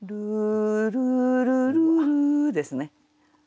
「ルルル」ですね。